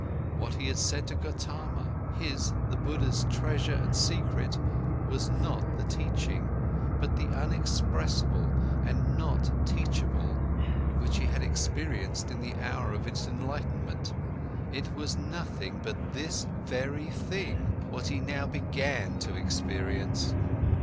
What he had said to Gotama: his, the Buddha's, treasure and secret was not the teachings, but the unexpressable and not teachable, which he had experienced in the hour of his enlightenment—it was nothing but this very thing which he had now gone to experience, what he now began to experience.